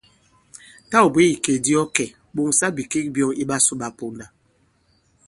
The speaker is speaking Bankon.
Tâ ɔ̀ bwě ìkè di ɔ kɛ̀, ɓòŋsa bìkek byɔ̄ŋ i ɓasū ɓa ponda.